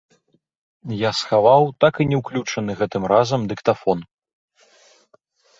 Я схаваў так і не ўключаны гэтым разам дыктафон.